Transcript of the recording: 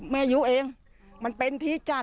แม่อยู่เองมันเป็นทหีจัด